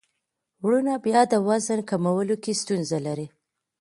وروڼه بیا د وزن کمولو کې ستونزه لري.